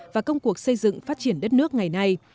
và công cuộc xây dựng phát triển đất nước ngày nay